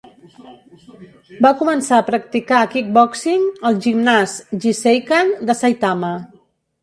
Va començar a practicar kickboxing al gimnàs Jiseikan de Saitama.